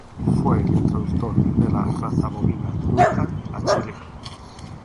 Fue el introductor de la raza bovina Durham a Chile.